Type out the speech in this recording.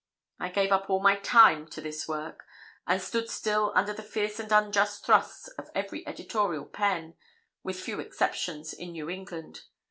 I gave up all my time to this work, and stood still under the fierce and unjust thrusts of every editorial pen, with few exceptions, in New England.